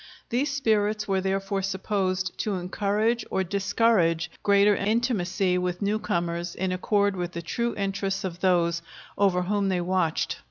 These spirits were therefore supposed to encourage or discourage greater intimacy with newcomers in accord with the true interests of those over whom they watched.